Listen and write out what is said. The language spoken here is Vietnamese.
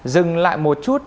dừng lại một chút